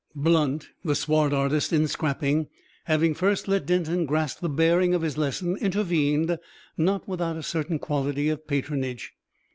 Blunt, the swart artist in scrapping, having first let Denton grasp the bearing of his lesson, intervened, not without a certain quality of patronage.